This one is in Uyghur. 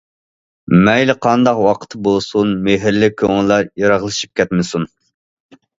مەيلى قانداق ۋاقىتتا بولسۇن، مېھىرلىك كۆڭۈللەر يىراقلىشىپ كەتمىسۇن.